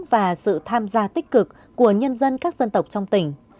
và sự tham gia tích cực của nhân dân các dân tộc trong tỉnh